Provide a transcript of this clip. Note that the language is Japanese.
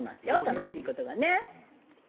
楽しいことがね